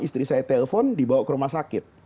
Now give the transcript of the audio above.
istri saya telpon dibawa ke rumah sakit